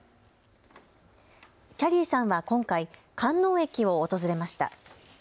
きゃりーさんは今回、観音駅を訪れました。